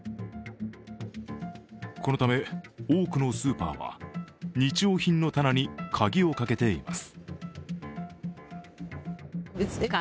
このため、多くのスーパーは日用品の棚に鍵をかけています。